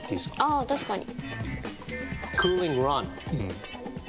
ああ確かに。